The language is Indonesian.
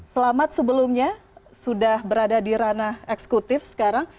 selamat sebelumnya sudah berada di ranah eksekutif sekarang